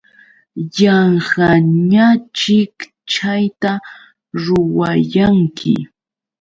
Yanqañaćhik chayta ruwayanki.